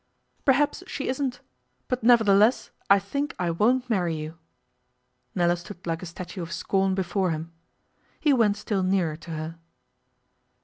'Perhaps she isn't. But, nevertheless, I think I won't marry you.' Nella stood like a statue of scorn before him. He went still nearer to her.